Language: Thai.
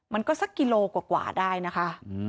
มันก็สักกิโลกว่าได้นะคะ